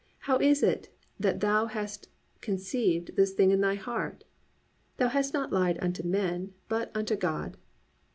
How is it that thou hast conceived this thing in thy heart? Thou hast not lied unto men, but unto God."